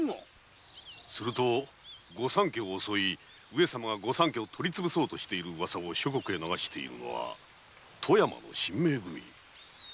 すると御三家を襲い上様が御三家を取りつぶそうとしているというウワサを諸国に流しているのは富山の神盟組。